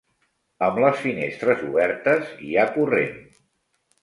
Amb les finestres obertes hi ha corrent.